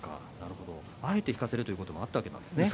あえて引かせるということもあったわけですね。